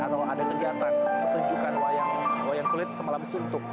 atau ada kegiatan pertunjukan wayang kulit semalam suntuk